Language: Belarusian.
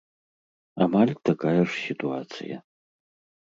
Амаль такая ж сітуацыя.